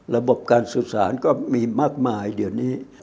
ระบบการสื่อสารก็มีมากมายเดี๋ยวนี้